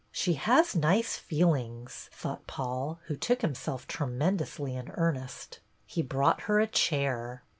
" She has nice feelings," thought Paul, who took himself tremendously in earnest. He brought her a chair.